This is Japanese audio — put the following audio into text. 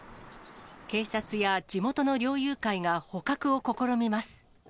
警察や地元の猟友会が捕獲を試み